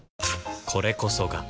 これこそが